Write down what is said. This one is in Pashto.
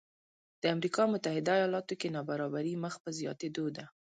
د امریکا متحده ایالاتو کې نابرابري مخ په زیاتېدو ده